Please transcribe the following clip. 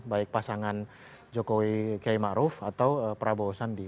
baik pasangan jokowi keyaimakruf atau prabowo sandi